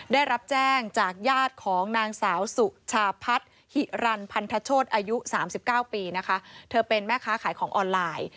ได้รับแจ้งจากญาติของนางสาวสุชาพัฒน์หิรันพันธโชธอายุ๓๙ปีนะคะเธอเป็นแม่ค้าขายของออนไลน์